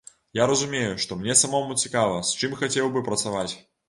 Я разумею, што мне самому цікава, з чым хацеў бы працаваць.